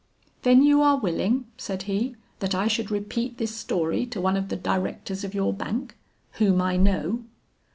'Then you are willing,' said he, 'that I should repeat this story to one of the directors of your bank, whom I know?'